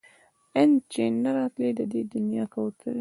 ان چې نه راتلی د دې دنيا کوترې